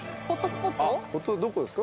どこですか？